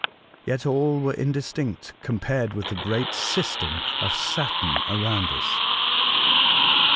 Yet all were indistinct compared with the great system of Saturn around us.